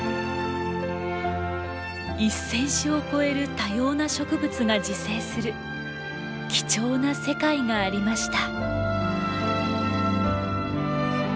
１，０００種を超える多様な植物が自生する貴重な世界がありました。